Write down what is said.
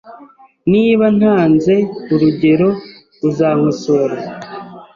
Niba ntanze urugero, uzankosora?